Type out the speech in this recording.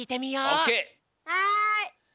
はい。